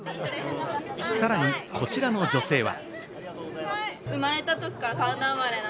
さらにこちらの女性は。